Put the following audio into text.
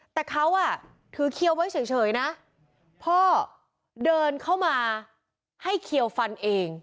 แต่เขาอ่ะถือเคี้ยวไว้เฉยนะพ่อเดินเข้ามาให้เขียวฟันเอง